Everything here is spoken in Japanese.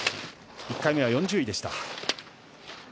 １回目は４０位でした。